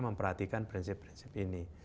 memperhatikan prinsip prinsip ini